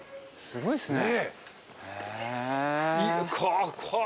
すごいですね。